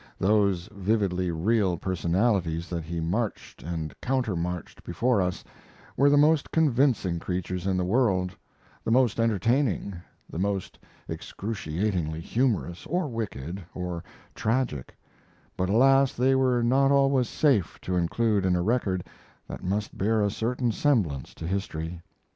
Those vividly real personalities that he marched and countermarched before us were the most convincing creatures in the world; the most entertaining, the most excruciatingly humorous, or wicked, or tragic; but, alas, they were not always safe to include in a record that must bear a certain semblance to history.